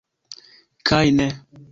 Kaj... ne!